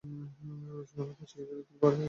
ইসলামের প্রচারের জন্য তিনি ভারতে আসেন।